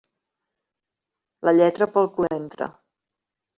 La lletra, pel cul entra.